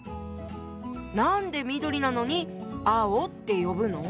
何で緑なのに青って呼ぶの？